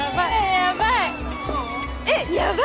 えやばい！